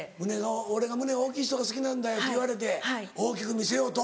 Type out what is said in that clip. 俺胸大きい人が好きなんだよって言われて大きく見せようと？